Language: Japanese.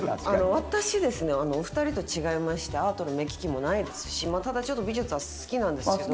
私お二人と違いましてアートの目利きもないですしただちょっと美術は好きなんですけど。